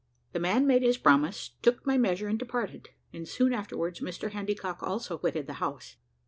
The man made his promise, took my measure, and departed; and soon afterwards Mr Handycock also quitted the house.